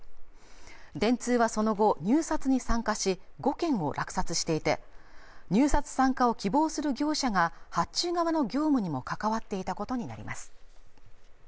電通はその後入札に参加し５件を落札していて入札参加を希望する業者が発注側の業務にも関わっていたことになります